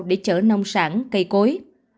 để chở nông sản cây cối